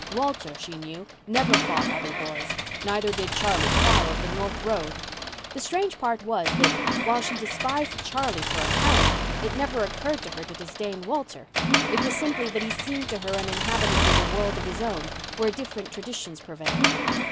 Walter, she knew, never fought other boys. Neither did Charlie Clow of the north road. The strange part was that, while she despised Charlie for a coward, it never occurred to her to disdain Walter. It was simply that he seemed to her an inhabitant of a world of his own, where different traditions prevailed.